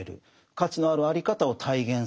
価値のあるあり方を体現する。